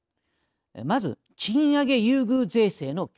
まず賃上げ優遇税制の強化。